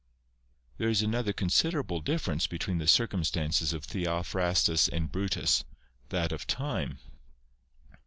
There is another considerable difference between the circumstances of Theophrastus and Brutus, that of time.